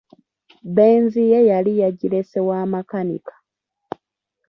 Benz ye yali yagirese wa makanika.